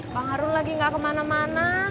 bang harun lagi gak kemana mana